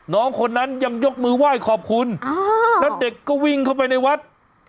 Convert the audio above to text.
น้องคนนั้นยังยกมือไหว้ขอบคุณแล้วเด็กก็วิ่งเข้าไปในวัด